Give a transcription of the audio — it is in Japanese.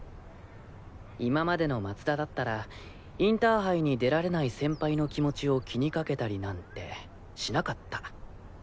今までの松田だったらインターハイに出られない先輩の気持ちを気にかけたりなんてしなかった。